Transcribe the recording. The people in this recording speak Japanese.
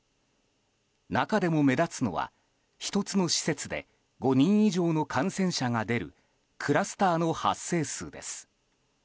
中でも目立つのは、１つの施設で５人以上の感染者が出るクラスターの発生数です。